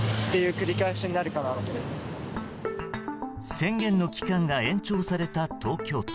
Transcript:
宣言の期間が延長された東京都。